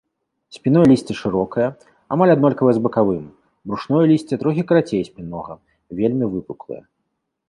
Спінное лісце шырокае, амаль аднолькавае з бакавым, брушное лісце трохі карацей спіннога, вельмі выпуклае.